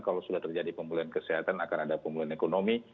kalau sudah terjadi pemulihan kesehatan akan ada pemulihan ekonomi